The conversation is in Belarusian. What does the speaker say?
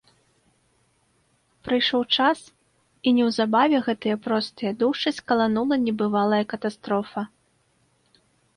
Прыйшоў час, і неўзабаве гэтыя простыя душы скаланула небывалая катастрофа.